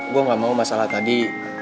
gue gak mau masalah tadi